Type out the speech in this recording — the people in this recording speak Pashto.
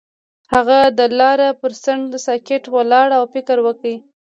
هغه د لاره پر څنډه ساکت ولاړ او فکر وکړ.